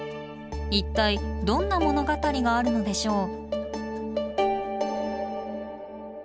一体どんな物語があるのでしょう？